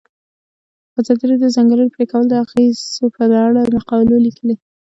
ازادي راډیو د د ځنګلونو پرېکول د اغیزو په اړه مقالو لیکلي.